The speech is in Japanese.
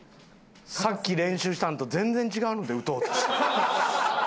さっき練習したんと全然違うので打とうとしとる。